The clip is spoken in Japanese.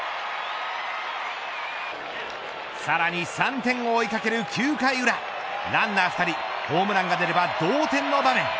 さらに３点を追いかける９回裏ランナー２人ホームランが出れば同点の場面。